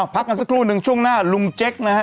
พักกันสักครู่หนึ่งช่วงหน้าลุงเจ๊กนะฮะ